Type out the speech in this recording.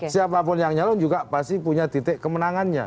siapapun yang nyalon juga pasti punya titik kemenangannya